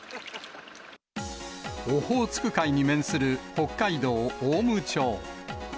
オホーツク海に面する北海道雄武町。